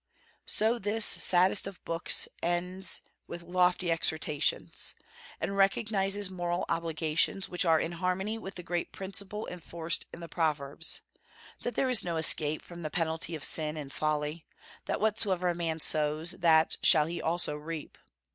So this saddest of books closes with lofty exhortations, and recognizes moral obligations which are in harmony with the great principle enforced in the Proverbs, that there is no escape from the penalty of sin and folly; that whatsoever a man sows that shall he also reap.